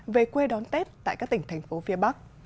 về quê đón tết tại các tỉnh thành phố phía bắc